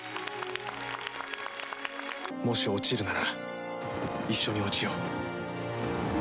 もし落ちるなら一緒に落ちよう。